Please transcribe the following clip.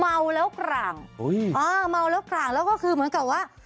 เมาแล้วกร่างเมาแล้วกร่างแล้วก็คือเหมือนกับว่า